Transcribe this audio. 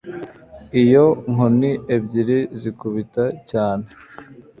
Iyo nkoni ebyiri zikubita cyane